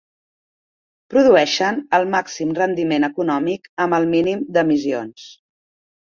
Produeixen el màxim rendiment econòmic amb el mínim d'emissions.